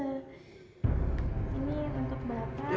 ini untuk bapak